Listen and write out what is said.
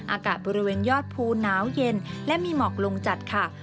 อากาศบริเวณยอดภูหนาวเย็นและมีหมอกลงจัดค่ะ